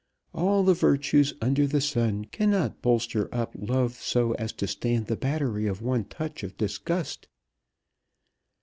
All the virtues under the sun cannot bolster up love so as to stand the battery of one touch of disgust.